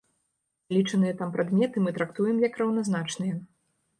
Залічаныя там прадметы мы трактуем як раўназначныя.